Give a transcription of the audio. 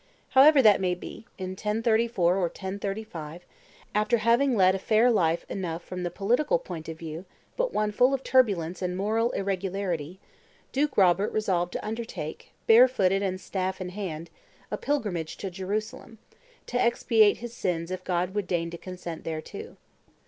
However that may be, in 1034 or 1035, after having led a fair life enough from the political point of view, but one full of turbulence and moral irregularity, Duke Robert resolved to undertake, barefooted and staff in hand, a pilgrimage to Jerusalem, "to expiate his sins if God would deign to consent thereto."